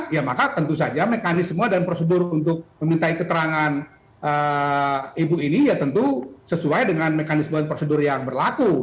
ya maka tentu saja mekanisme dan prosedur untuk memintai keterangan ibu ini ya tentu sesuai dengan mekanisme dan prosedur yang berlaku